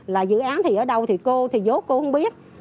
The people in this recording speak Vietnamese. là dự án thì ở đâu thì cô thì vô cô không biết